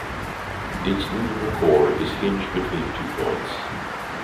Its movable core is hinged between two points.